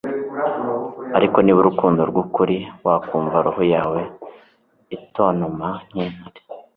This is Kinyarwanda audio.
ariko niba urukundo rwukuri, wakumva roho yawe itontoma nkintare